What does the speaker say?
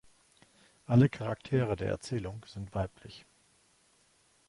Alle Charaktere der Erzählung sind weiblich.